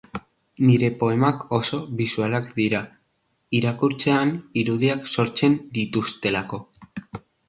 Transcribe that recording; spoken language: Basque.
Nire poemak oso bisualak dira, irakurtzean irudiak sortzen dituztelako.